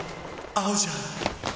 合うじゃん！！